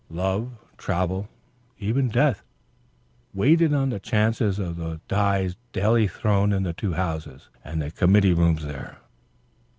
Love, travel, even death itself, waited on the chances of the dies daily thrown in the two Houses, and the committee rooms there.